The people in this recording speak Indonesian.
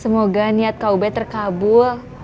semoga niat kau beda terkabul